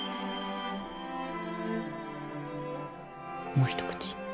もう一口。